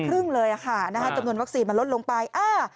ครึ่งเลยค่ะจำนวนวัคซีนมันลดลงไป